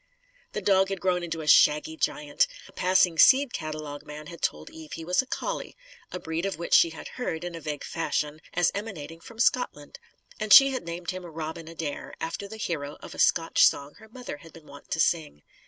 The dog had grown into a shaggy giant. A passing seed catalogue man had told Eve he was a collie a breed of which she had heard, in a vague fashion, as emanating from Scotland. And she had named him Robin Adair; after the hero of a Scotch song her mother had been wont to sing.